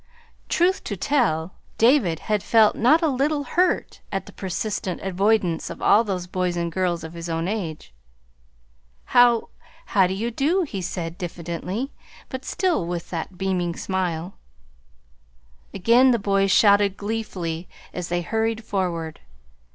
Truth to tell, David had felt not a little hurt at the persistent avoidance of all those boys and girls of his own age. "How how do you do?" he said diffidently, but still with that beaming smile. Again the boys shouted gleefully as they hurried forward.